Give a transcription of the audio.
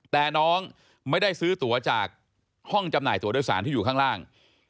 แต่น้องไม่ได้ซื้อตัวจากห้องจำหน่ายตัวโดยสารที่อยู่ข้างล่าง